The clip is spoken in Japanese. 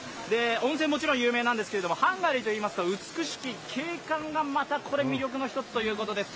温泉、もちろん有名なんですけどハンガリーといいますと美しき景観が魅力の一つということです。